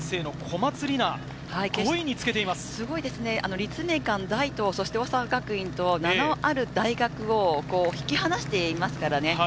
立命館大と大阪学院と、名のある大学を引き離していますからね。